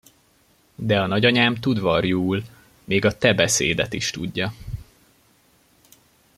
De a nagyanyám tud varjúul, még a te beszédet is tudja.